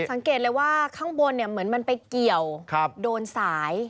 สังเกตเลยว่าข้างบนเหมือนมันไปเกี่ยวโดนสาย